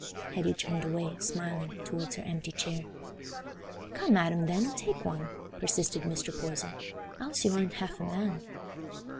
Hetty turned away, smiling, towards her empty chair. "Come, Adam, then, take one," persisted Mr. Poyser, "else y' arena half a man."